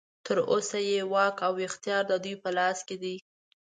تر اوسه یې واک او اختیار ددوی په لاس کې دی.